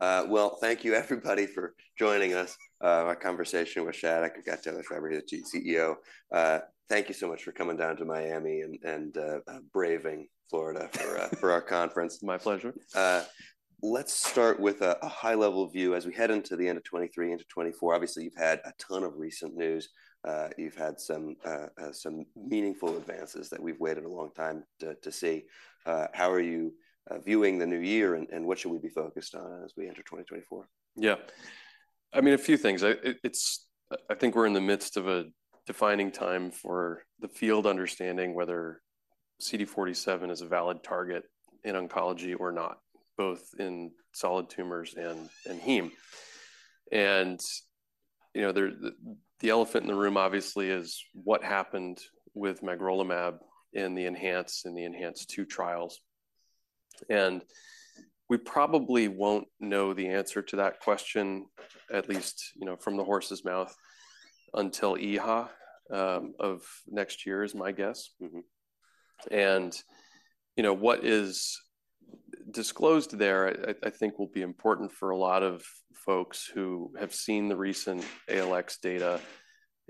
All right. Well, thank you everybody for joining us. Our conversation with Shattuck's CEO, Taylor Schreiber. Thank you so much for coming down to Miami and braving Florida for our conference. My pleasure. Let's start with a high-level view as we head into the end of 2023 into 2024. Obviously, you've had a ton of recent news. You've had some meaningful advances that we've waited a long time to see. How are you viewing the new year, and what should we be focused on as we enter 2024? Yeah. I mean, a few things. It's-- I think we're in the midst of a defining time for the field, understanding whether CD47 is a valid target in oncology or not, both in solid tumors and heme. And, you know, the elephant in the room, obviously, is what happened with magrolimab in the ENHANCE, in the ENHANCE-2 trials. And we probably won't know the answer to that question, at least, you know, from the horse's mouth, until EHA of next year, is my guess. Mm-hmm. You know, what is disclosed there, I think will be important for a lot of folks who have seen the recent ALX data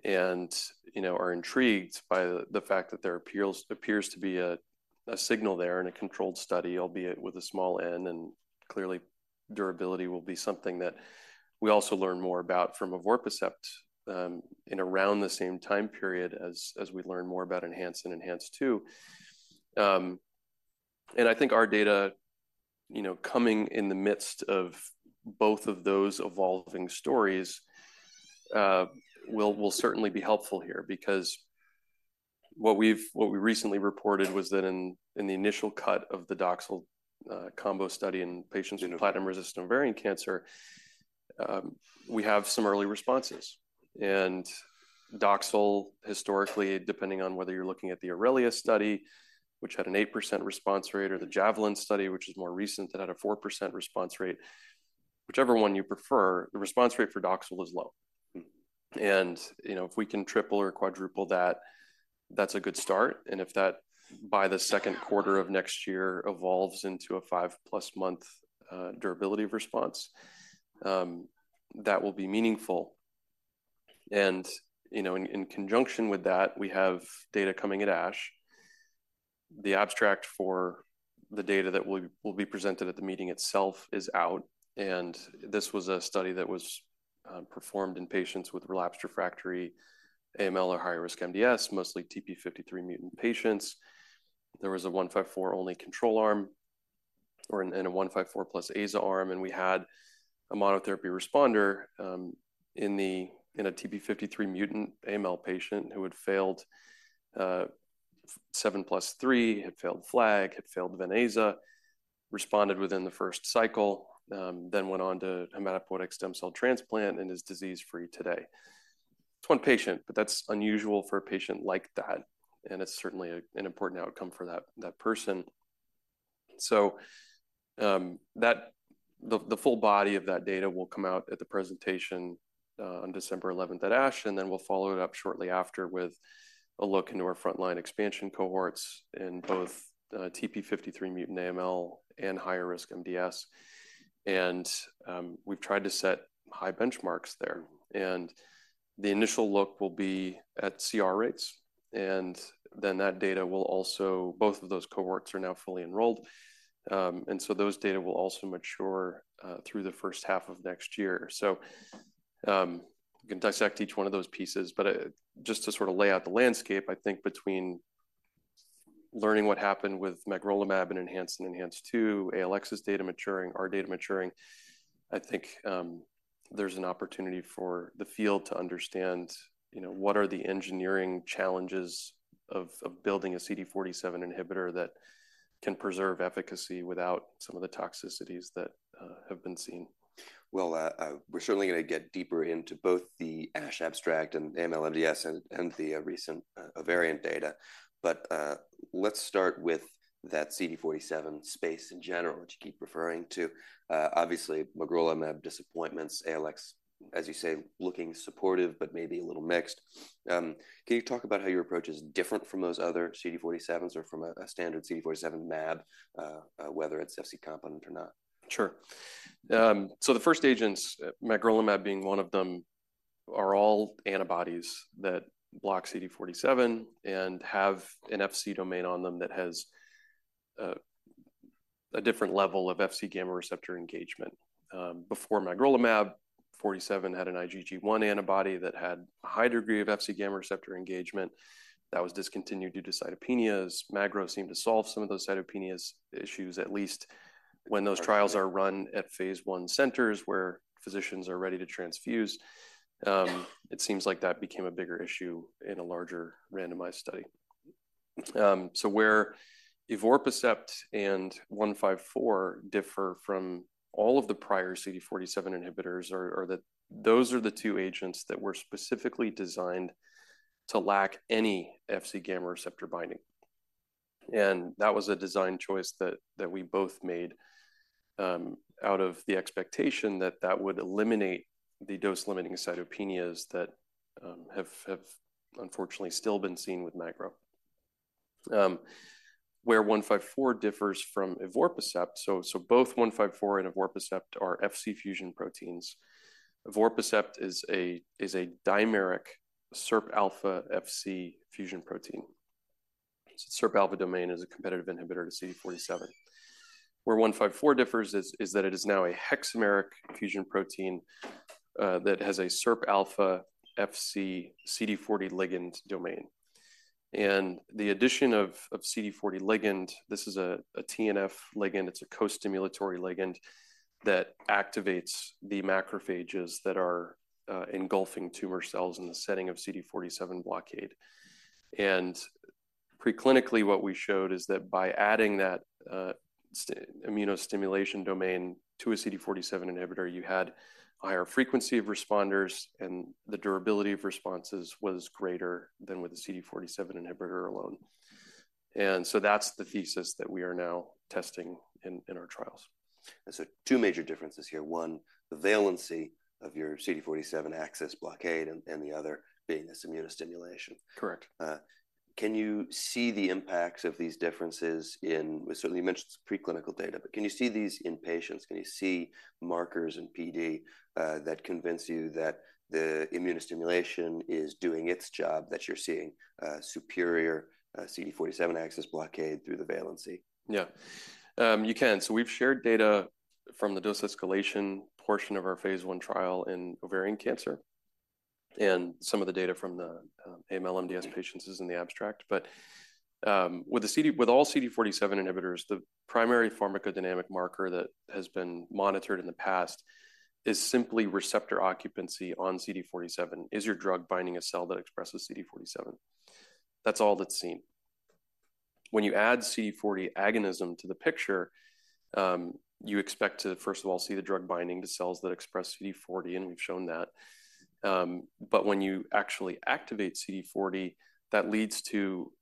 and, you know, are intrigued by the fact that there appears to be a signal there in a controlled study, albeit with a small n. Clearly, durability will be something that we also learn more about from evorpacept in around the same time period as we learn more about ENHANCE and ENHANCE-2. And I think our data, you know, coming in the midst of both of those evolving stories, will certainly be helpful here. Because what we recently reported was that in the initial cut of the Doxil combo study in patients with platinum-resistant ovarian cancer, we have some early responses. And Doxil, historically, depending on whether you're looking at the AURELIA study, which had an 8% response rate, or the JAVELIN study, which is more recent, that had a 4% response rate, whichever one you prefer, the response rate for Doxil is low. Mm. You know, if we can triple or quadruple that, that's a good start, and if that, by the second quarter of next year, evolves into a five plus month durability of response, that will be meaningful. You know, in conjunction with that, we have data coming at ASH. The abstract for the data that will be presented at the meeting itself is out, and this was a study that was performed in patients with relapsed refractory AML or high-risk MDS, mostly TP53-mutant patients. There was a SL-172154 only control arm, and a SL-172154+ AZA arm, and we had a monotherapy responder in a TP53-mutant AML patient who had failed 7+3, had failed FLAG, had failed venetoclax, responded within the first cycle, then went on to hematopoietic stem cell transplant and is disease-free today. It's one patient, but that's unusual for a patient like that, and it's certainly an important outcome for that person. So, the full body of that data will come out at the presentation on December 11th at ASH, and then we'll follow it up shortly after with a look into our frontline expansion cohorts in both TP53-mutant AML and higher-risk MDS. We've tried to set high benchmarks there. Mm. The initial look will be at CR rates, and then that data will also... Both of those cohorts are now fully enrolled, and so those data will also mature through the first half of next year. So, we can dissect each one of those pieces, but, just to sort of lay out the landscape, I think between learning what happened with magrolimab and ENHANCE and ENHANCE-2, ALX's data maturing, our data maturing, I think, there's an opportunity for the field to understand, you know, what are the engineering challenges of building a CD47 inhibitor that can preserve efficacy without some of the toxicities that have been seen. Well, we're certainly gonna get deeper into both the ASH abstract and the AML MDS and the recent ovarian data. But, let's start with that CD47 space in general, which you keep referring to. Obviously, magrolimab disappointments, ALX, as you say, looking supportive, but maybe a little mixed. Can you talk about how your approach is different from those other CD47s or from a standard CD47 mab, whether it's Fc component or not? Sure. So the first agents, magrolimab being one of them, are all antibodies that block CD47 and have an Fc domain on them that has a different level of Fc gamma receptor engagement. Before magrolimab, Forty Seven had an IgG1 antibody that had a high degree of Fc gamma receptor engagement. That was discontinued due to cytopenias. Magro seemed to solve some of those cytopenias issues, at least when those trials are run at phase I centers, where physicians are ready to transfuse. It seems like that became a bigger issue in a larger randomized study. So where evorpacept and SL-172154 differ from all of the prior CD47 inhibitors are that those are the two agents that were specifically designed to lack any Fc gamma receptor binding. And that was a design choice that we both made out of the expectation that that would eliminate the dose-limiting cytopenias that have unfortunately still been seen with magrolimab. Where SL-172154 differs from evorpacept. So both SL-172`154 and evorpacept are Fc fusion proteins. Evorpacept is a dimeric SIRPα Fc fusion protein. SIRPα-Fc-CD40L domain is a competitive inhibitor to CD47. Where SL-172154 differs is that it is now a hexameric fusion protein that has a SIRPα-Fc-CD40 ligand domain. And the addition of CD40 ligand, this is a TNF ligand, it's a co-stimulatory ligand that activates the macrophages that are engulfing tumor cells in the setting of CD47 blockade. Preclinically, what we showed is that by adding that immunostimulation domain to a CD47 inhibitor, you had higher frequency of responders, and the durability of responses was greater than with a CD47 inhibitor alone. And so that's the thesis that we are now testing in our trials. And so two major differences here: one, the valency of your CD47 axis blockade, and the other being this immunostimulation. Correct. Can you see the impacts of these differences in, well, certainly, you mentioned it's preclinical data, but can you see these in patients? Can you see markers in PD that convince you that the immunostimulation is doing its job, that you're seeing superior CD47 axis blockade through the valency? Yeah. You can. So we've shared data from the dose escalation portion of our phase I trial in ovarian cancer, and some of the data from the AML-MDS patients is in the abstract. But, with the CD-- with all CD47 inhibitors, the primary pharmacodynamic marker that has been monitored in the past is simply receptor occupancy on CD47. Is your drug binding a cell that expresses CD47? That's all that's seen. When you add CD40 agonism to the picture, you expect to, first of all, see the drug binding to cells that express CD40, and we've shown that. But when you actually activate CD40, that leads to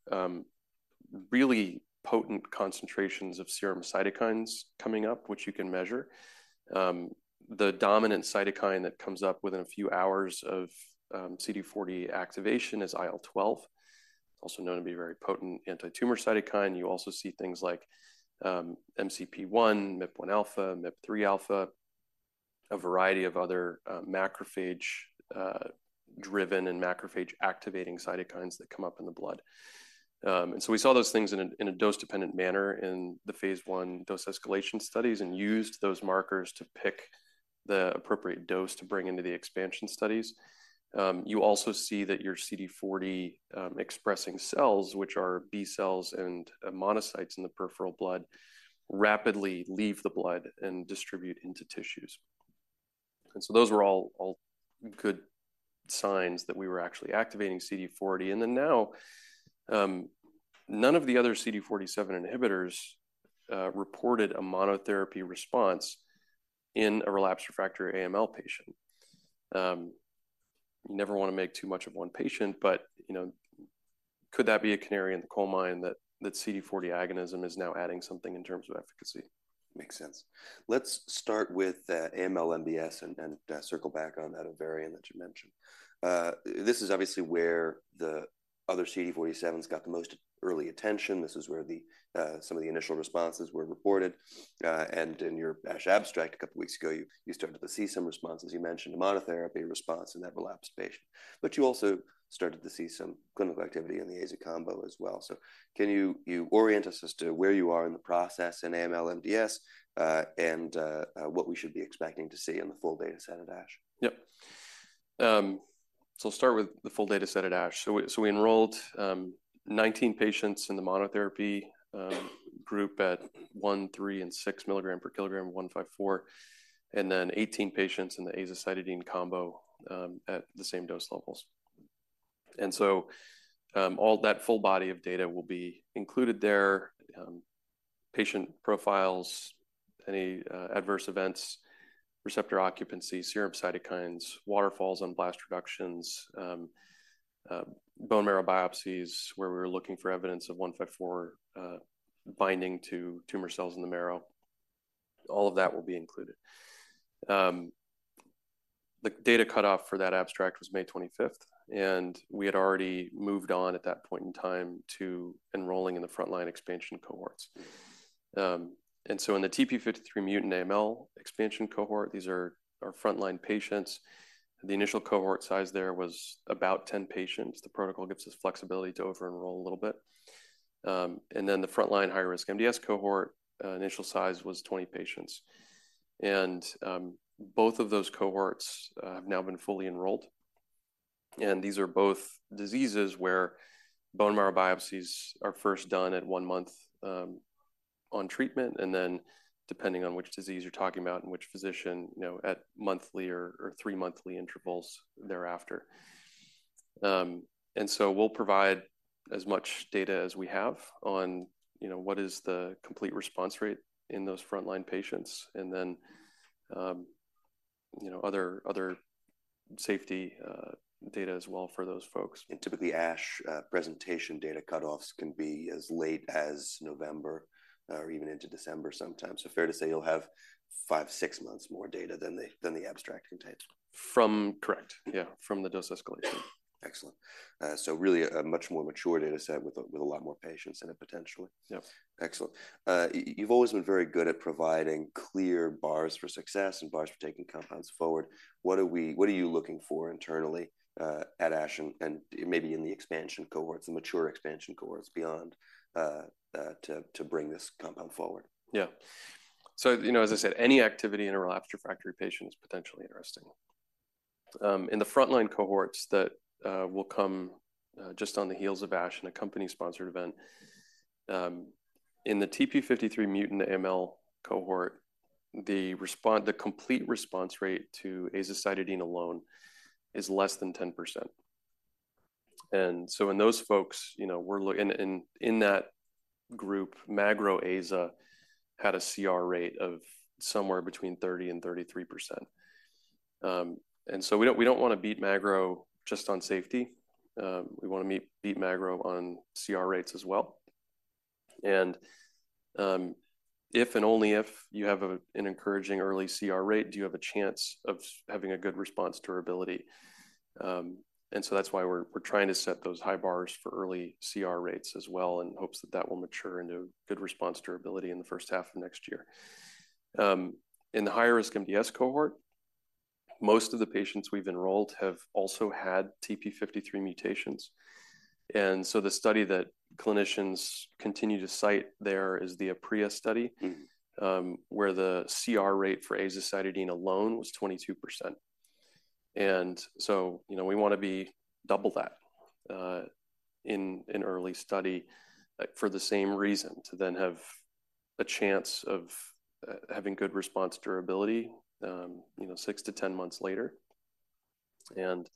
really potent concentrations of serum cytokines coming up, which you can measure. The dominant cytokine that comes up within a few hours of CD40 activation is IL-12, also known to be a very potent anti-tumor cytokine. You also see things like MCP-1, MIP-1α, MIP-3α, a variety of other macrophage-driven and macrophage-activating cytokines that come up in the blood. And so we saw those things in a dose-dependent manner in the phase I dose-escalation studies and used those markers to pick the appropriate dose to bring into the expansion studies. You also see that your CD40 expressing cells, which are B cells and monocytes in the peripheral blood, rapidly leave the blood and distribute into tissues. And so those were all good signs that we were actually activating CD40. Then now, none of the other CD47 inhibitors reported a monotherapy response in a relapsed refractory AML patient. You never want to make too much of one patient, but, you know, could that be a canary in the coal mine that CD40 agonism is now adding something in terms of efficacy? Makes sense. Let's start with the AML-MDS and circle back on that ovarian that you mentioned. This is obviously where the other CD47s got the most early attention. This is where some of the initial responses were reported. And in your ASH abstract a couple weeks ago, you started to see some responses. You mentioned a monotherapy response in that relapsed patient, but you also started to see some clinical activity in the azacitidine combo as well. So can you orient us as to where you are in the process in AML-MDS, and what we should be expecting to see in the full data set at ASH? Yep. So I'll start with the full data set at ASH. So we enrolled 19 patients in the monotherapy group at 1 mg/kg, 3 mg/kg, and 6 mg/kg of SL-172154, and then 18 patients in the azacitidine combo at the same dose levels. So all that full body of data will be included there, patient profiles, any adverse events, receptor occupancy, serum cytokines, waterfalls on blast reductions, bone marrow biopsies, where we were looking for evidence of SL-172154 binding to tumor cells in the marrow. All of that will be included. The data cutoff for that abstract was May 25th, and we had already moved on at that point in time to enrolling in the frontline expansion cohorts. And so in the TP53-mutant AML expansion cohort, these are our frontline patients. The initial cohort size there was about 10 patients. The protocol gives us flexibility to over-enroll a little bit. And then the frontline high-risk MDS cohort, initial size was 20 patients. And both of those cohorts have now been fully enrolled, and these are both diseases where bone marrow biopsies are first done at one month on treatment, and then, depending on which disease you're talking about and which physician, you know, at monthly or three monthly intervals thereafter. And so we'll provide as much data as we have on, you know, what is the complete response rate in those frontline patients, and then, you know, other safety data as well for those folks. Typically, ASH, presentation data cutoffs can be as late as November, or even into December sometimes. So fair to say you'll have five, six months more data than the abstract contains? Correct. Yeah, from the dose escalation. Excellent.... So really a much more mature data set with a lot more patients in it, potentially? Yeah. Excellent. You've always been very good at providing clear bars for success and bars for taking compounds forward. What are you looking for internally, at ASH and maybe in the expansion cohorts, the mature expansion cohorts, beyond to bring this compound forward? Yeah. So, you know, as I said, any activity in a relapsed refractory patient is potentially interesting. In the frontline cohorts that will come just on the heels of ASH in a company-sponsored event, in the TP53-mutant AML cohort, the complete response rate to azacitidine alone is less than 10%. And so in those folks, you know, we're looking in that group, magro AZA had a CR rate of somewhere between 30%-33%. And so we don't, we don't want to beat magro just on safety. We want to beat magro on CR rates as well. And if and only if you have an encouraging early CR rate, do you have a chance of having a good response durability. and so that's why we're trying to set those high bars for early CR rates as well, in hopes that that will mature into good response durability in the first half of next year. In the high-risk MDS cohort, most of the patients we've enrolled have also had TP53 mutations. And so the study that clinicians continue to cite there is the Aprea study. Mm. Where the CR rate for azacitidine alone was 22%. And so, you know, we want to be double that, in early study, for the same reason, to then have a chance of, having good response durability, you know, six to 10 months later. And,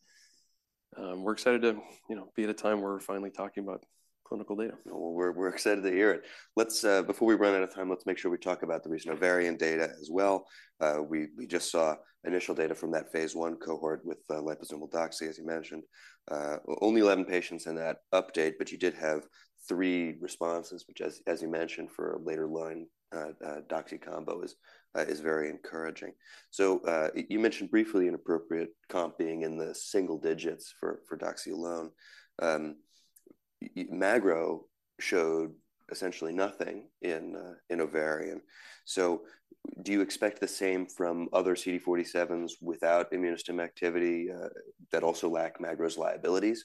we're excited to, you know, be at a time where we're finally talking about clinical data. Well, we're excited to hear it. Let's, before we run out of time, let's make sure we talk about the recent ovarian data as well. We just saw initial data from that phase I cohort with liposomal doxy, as you mentioned. Only 11 patients in that update, but you did have three responses, which, as you mentioned, for a later-line doxy combo is very encouraging. So, you mentioned briefly an appropriate comp being in the single digits for doxy alone. Magro showed essentially nothing in ovarian. So do you expect the same from other CD47s without immunosuppressive activity that also lack Magro's liabilities?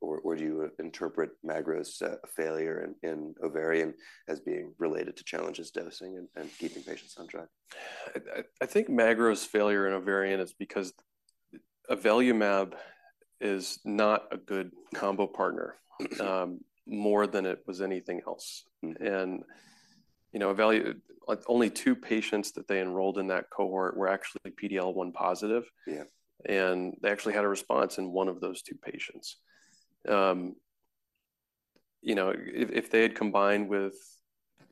Or do you interpret Magro's failure in ovarian as being related to challenges dosing and keeping patients on track? I think Magro's failure in ovarian is because avelumab is not a good combo partner, more than it was anything else. And, you know, like, only two patients that they enrolled in that cohort were actually PD-L1 positive. They actually had a response in one of those two patients. You know, if they had combined with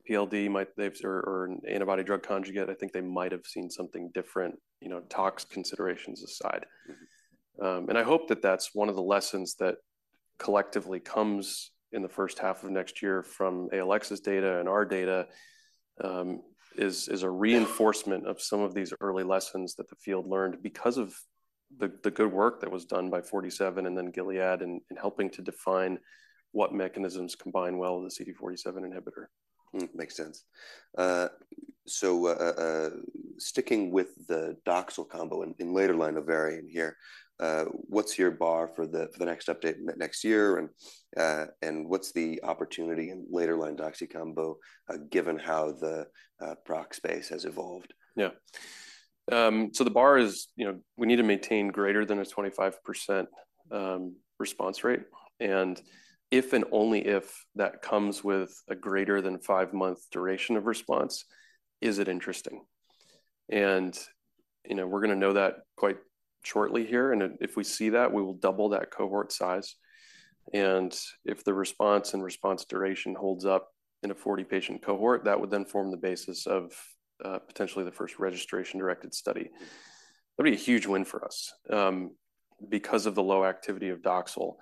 PLD, might they have or an antibody-drug conjugate, I think they might have seen something different, you know, tox considerations aside. Mm. I hope that that's one of the lessons that collectively comes in the first half of next year from ALX's data and our data is a reinforcement of some of these early lessons that the field learned because of the good work that was done by Forty Seven and then Gilead in helping to define what mechanisms combine well with a CD47 inhibitor. Makes sense. So, sticking with the Doxil combo in later line ovarian here, what's your bar for the next update next year? And, what's the opportunity in later line doxy combo, given how the PROC space has evolved? Yeah. So the bar is, you know, we need to maintain greater than a 25% response rate, and if and only if that comes with a greater than five month duration of response, is it interesting? And, you know, we're gonna know that quite shortly here, and if we see that, we will double that cohort size. And if the response and response duration holds up in a 40-patient cohort, that would then form the basis of potentially the first registration-directed study. That'd be a huge win for us, because of the low activity of Doxil.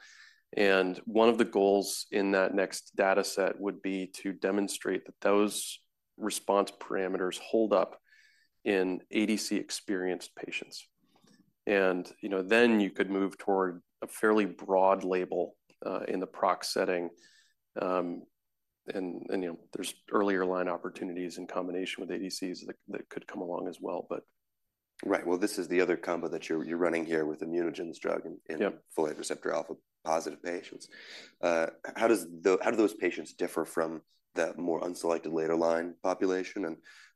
And one of the goals in that next dataset would be to demonstrate that those response parameters hold up in ADC-experienced patients. And, you know, then you could move toward a fairly broad label in the PROC setting. You know, there's earlier line opportunities in combination with ADCs that could come along as well. Right. Well, this is the other combo that you're running here with ImmunoGen's drug in folate receptor alpha-positive patients. How do those patients differ from the more unselected later line population?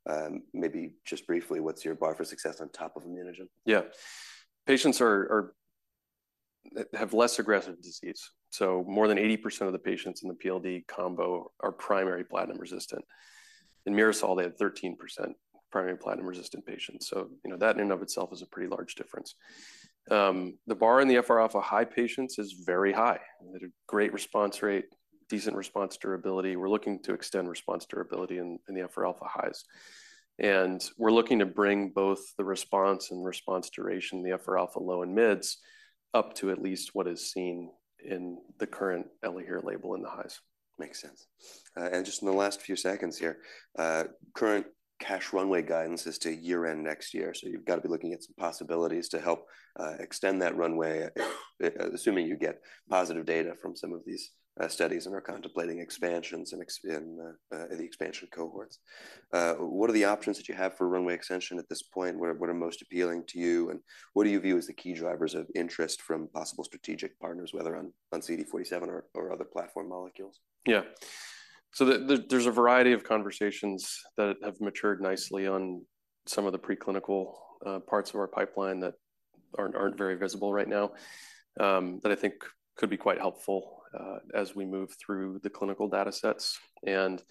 And, maybe just briefly, what's your bar for success on top of ImmunoGen? Yeah. Patients are have less aggressive disease. So more than 80% of the patients in the PLD combo are primary platinum resistant. In MIRASOL, they had 13% primary platinum-resistant patients, so, you know, that in and of itself is a pretty large difference. The bar in the FRα high patients is very high. They had a great response rate, decent response durability. We're looking to extend response durability in the FRα highs. And we're looking to bring both the response and response duration in the FRα low and mids up to at least what is seen in the current ELAHERE label in the highs. Makes sense. And just in the last few seconds here, current cash runway guidance is to year-end next year, so you've got to be looking at some possibilities to help extend that runway, assuming you get positive data from some of these studies and are contemplating expansions and the expansion cohorts. What are the options that you have for runway extension at this point? What are most appealing to you, and what do you view as the key drivers of interest from possible strategic partners, whether on CD47 or other platform molecules? Yeah. So there, there's a variety of conversations that have matured nicely on some of the preclinical parts of our pipeline that aren't very visible right now, but I think could be quite helpful as we move through the clinical datasets. And,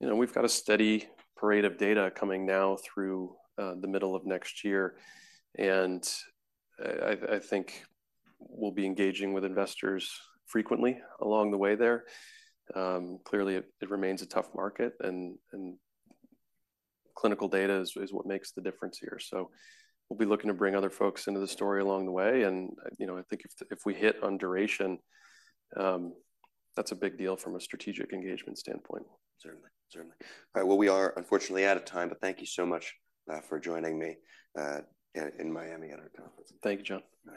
you know, we've got a steady parade of data coming now through the middle of next year, and I think we'll be engaging with investors frequently along the way there. Clearly, it remains a tough market, and clinical data is what makes the difference here. So we'll be looking to bring other folks into the story along the way, and, you know, I think if we hit on duration, that's a big deal from a strategic engagement standpoint. Certainly. Certainly. All right. Well, we are unfortunately out of time, but thank you so much for joining me here in Miami at our conference. Thank you, John. All right.